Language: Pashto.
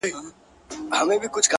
• سمدستي یې کړه ور پرې غاړه په توره ,